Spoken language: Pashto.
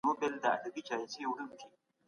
علمي نظرونه باید په عمل کي پلي سي.